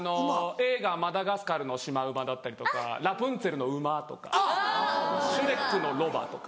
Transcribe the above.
映画『マダガスカル』のシマウマだったりとか『ラプンツェル』の馬とか『シュレック』のロバとか。